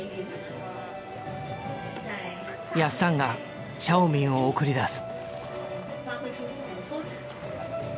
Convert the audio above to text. やっさんがシャオミンを送り出す。